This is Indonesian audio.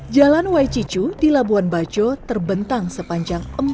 jalan wajicu di labuan bajo terbentang sepanjang empat km